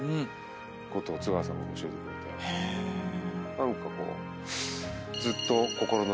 何かこう。